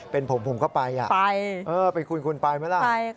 เป็นผมผมก็ไปอ่ะเป็นคุณคุณไปไหมล่ะไป